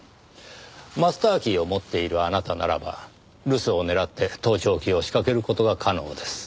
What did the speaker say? マスターキーを持っているあなたならば留守を狙って盗聴器を仕掛ける事が可能です。